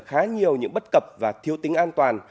khá nhiều những bất cập và thiếu tính an toàn